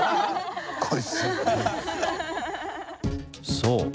そう！